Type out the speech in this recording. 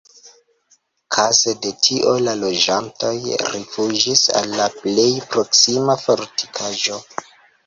Kaze de tio la loĝantoj rifuĝis al la plej proksima fortikaĵo.